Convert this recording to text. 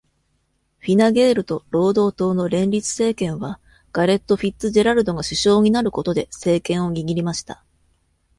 フィナ・ゲールと労働党の連立政権は、ガレット・フィッツジェラルドが首相になることで政権を握りました。